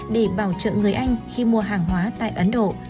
để bảo trợ người anh khi mua hàng hóa tại ấn độ